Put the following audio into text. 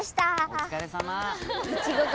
お疲れさま。